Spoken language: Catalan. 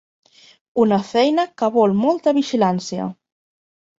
Una feina que vol molta vigilància.